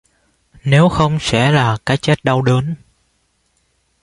Nếu không sẽ là cái chết đau đớn